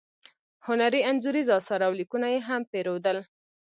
هنري انځوریز اثار او لیکونه یې هم پیرودل.